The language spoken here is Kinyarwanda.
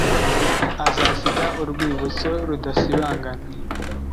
azasiga urwibutso rudasibangana